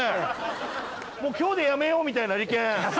もう今日で辞めようみたいなリケン。